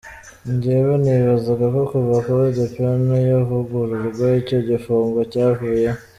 Njyewe nibazaga ko kuva code penal yavugururwa, icyo gifungo cyavuyeho.